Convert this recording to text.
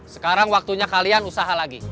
sekarang waktunya kalian usaha lagi